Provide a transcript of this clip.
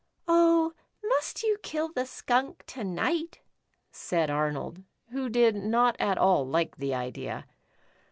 "Oh, must you kill the skunk to night?" said Arnold, who did not at all like the idea.